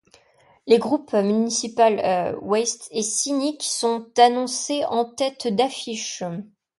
Les groupes Municipal Waste et Cynic sont annoncés en tête d'affiche.